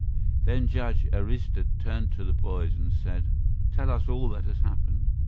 Then Judge Arista turned to the boys and said, "Tell us all that has happened."